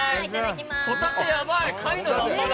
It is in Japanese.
ホタテ、やばい！